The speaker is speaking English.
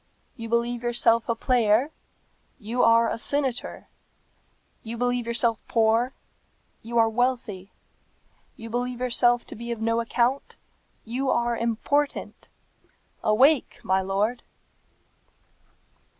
You believe yourself a player; you are a senator. You believe yourself poor; you are wealthy. You believe yourself to be of no account; you are important. Awake, my lord!"